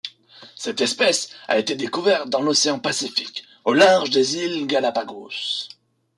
Cette espèce a été découverte dans l'océan Pacifique au large des îles Galápagos.